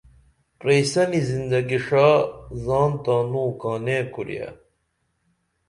پرئسینی زندگی ݜا زان تانوں کانئیں کوریہ